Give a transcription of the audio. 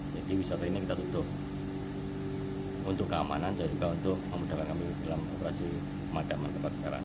jadi wisata ini kita tutup untuk keamanan dan juga untuk memudahkan api di dalam operasi kemadaman tempat kekerahan